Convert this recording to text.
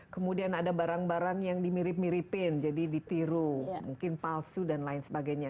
kemudian ada barang barang yang dimirip miripin jadi ditiru mungkin palsu dan lain sebagainya